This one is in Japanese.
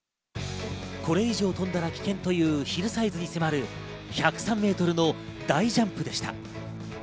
これ以上飛んだら危険というヒルサイズに迫る１０３メートルの大ジャンプでした。